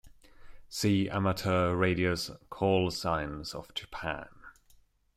See Amateur radio call signs of Japan.